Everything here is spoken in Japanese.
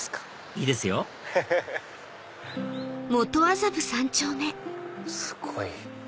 いいですよすごい！